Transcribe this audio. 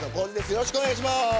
よろしくお願いします。